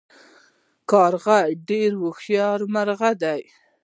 کارغه ډیر هوښیار مرغه دی